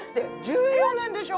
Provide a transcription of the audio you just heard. １４年でしょ？